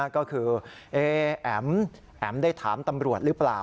ก็คือแอ๋มแอ๋มได้ถามตำรวจหรือเปล่า